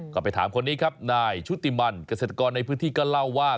ก็ไปถามคนนี้ครับนายชุติมันเกษตรกรในพื้นที่ก็เล่าว่า